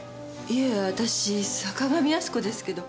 いいえ私坂上靖子ですけど。